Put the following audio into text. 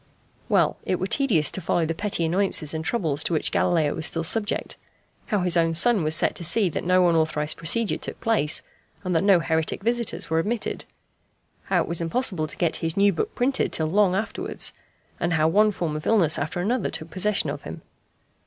Well, it were tedious to follow the petty annoyances and troubles to which Galileo was still subject how his own son was set to see that no unauthorized procedure took place, and that no heretic visitors were admitted; how it was impossible to get his new book printed till long afterwards; and how one form of illness after another took possession of him.